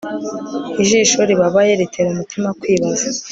ijisho ribabaye ritera umutima kwibaza